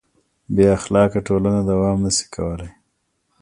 بېاخلاقه ټولنه دوام نهشي کولی.